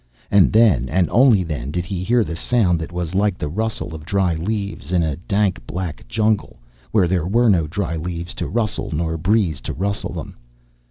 And then, and only then, did he hear the sound that was like the rustle of dry leaves, in a dank, black jungle where there were no dry leaves to rustle nor breeze to rustle them.